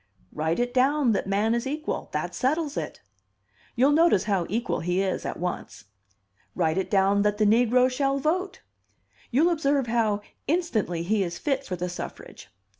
Write it down that man is equal. That settles it. You'll notice how equal he is at once. Write it down that the negro shall vote. You'll observe how instantly he is fit for the suffrage.